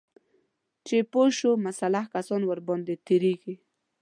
چې پوه شو مسلح کسان ورباندې تیریږي